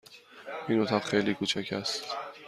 این اتاق خیلی کوچک است.